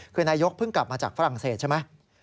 คือนายกเพิ่งกลับมาจากฝรั่งเศสใช่ไหม